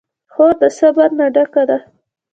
خور د صبر نه ډکه ده.